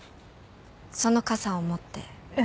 その傘を持って？